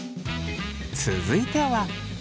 続いては。